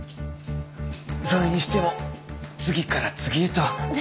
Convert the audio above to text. それにしても次から次へと。